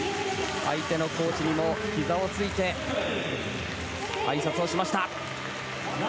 相手のコーチにもひざをついてあいさつをしました。